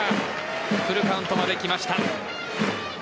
フルカウントまで来ました。